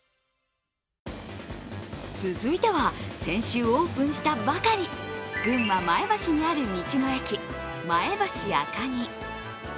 続いては、先週オープンしたばかり群馬・前橋にある道の駅まえばし赤城。